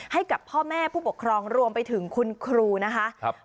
ให้กับพ่อแม่ผู้ปกครองรวมไปถึงคุณครูนะคะ